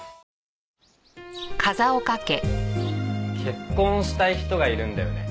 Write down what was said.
結婚したい人がいるんだよね。